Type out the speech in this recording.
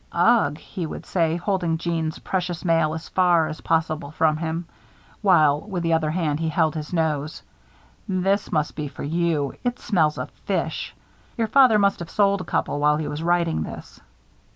"Ugh!" he would say, holding Jeanne's precious mail as far as possible from him, while, with the other hand, he held his nose, "this must be for you it smells of fish. Your father must have sold a couple while he was writing this."